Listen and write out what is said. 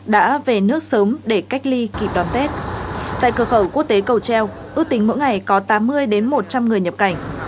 đã về nước sớm để cách ly kịp đón tết tại cửa khẩu quốc tế cầu treo ước tính mỗi ngày có tám mươi một trăm linh người nhập cảnh